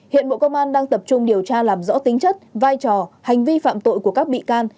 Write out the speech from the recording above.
hiện bộ công an đang tập trung điều tra làm rõ tính chất vai trò hành vi phạm tội của các bị can